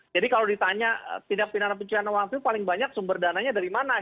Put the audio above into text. jadi kalau ditanya tindak pidana pencucian uang itu paling banyak sumber dananya dari mana